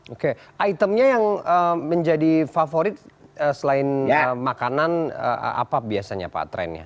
oke itemnya yang menjadi favorit selain makanan apa biasanya pak trennya